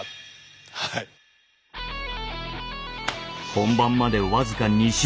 本番まで僅か２週間。